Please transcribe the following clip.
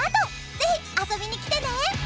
ぜひ遊びに来てね。